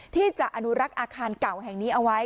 ที่จะอนุรักษ์อาคารเก่าแห่งนี้เอาไว้